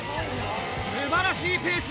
素晴らしいペース。